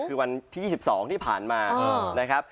คือวันที่๒๒ที่ผ่านมานะครับ